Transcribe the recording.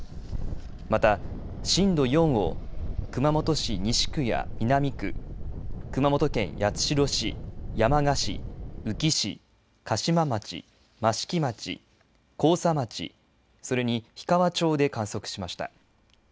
また、震度４を熊本市西区や南区、熊本県八代市山鹿市、宇城市、嘉島町、益城町、甲佐町、それに氷川町で観測しました。